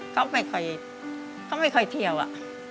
เขาไม่ค่อยเขาไม่ค่อยเที่ยวอะ